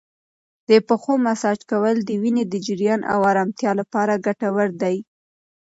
د پښو مساج کول د وینې د جریان او ارامتیا لپاره ګټور دی.